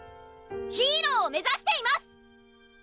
ヒーローを目指しています！